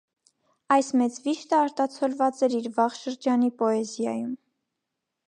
Այս մեծ վիշտը արտացոլված էր իր վաղ շրջանի պոեզիայում։